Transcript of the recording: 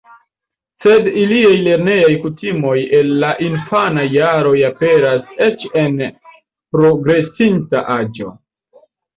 Sed iliaj lernejaj kutimoj el la infanaj jaroj aperas eĉ en progresinta aĝo.